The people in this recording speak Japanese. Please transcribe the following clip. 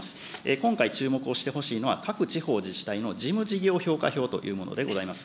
今回、注目をしてほしいのは、各地方自治体の事務事業評価票ということでございます。